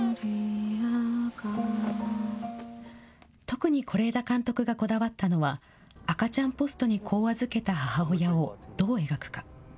特に是枝監督がこだわったのは、赤ちゃんポストに子を預けた母親をどう描くか。